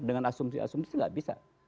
dengan asumsi asumsi nggak bisa